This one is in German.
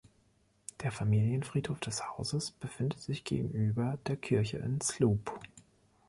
Der Familienfriedhof des Hauses befindet sich gegenüber der Kirche in Sloup.